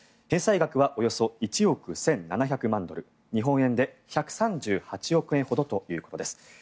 返済額はおよそ１億１７００万ドル日本円で１３８億円ほどということです。